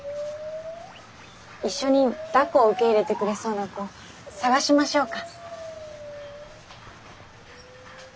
一緒にだっこを受け入れてくれそうな子を探しましょうか。